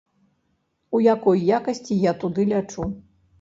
У якой якасці я туды лячу?